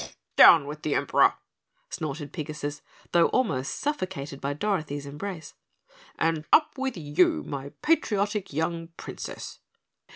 "Down with the Emperor!" snorted Pigasus, though almost suffocated by Dorothy's embrace. "And up with you, my patriotic young Princess."